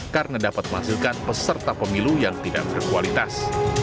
karena dapat memasukkan peserta pemilu yang tidak berkualitas